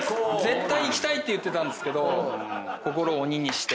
絶対行きたいって言ってたんですが心を鬼にして。